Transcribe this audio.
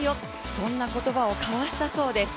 そんな言葉を交わしたそうです。